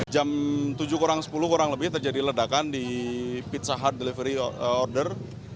jam tujuh kurang sepuluh kurang lebih terjadi ledakan di pizza hut delivery order